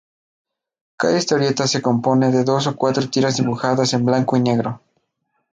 Cada historieta se compone de dos a cuatro tiras dibujadas en blanco y negro.